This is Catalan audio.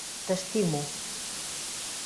T'estimo.